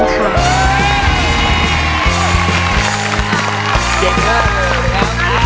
แฟนอื่น